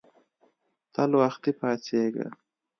تل وختي پاڅیږه